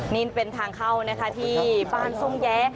นี่เป็นทางเข้านะคะที่บ้านทรงแยะ